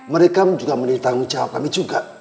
mereka juga menjadi tanggung jawab kami juga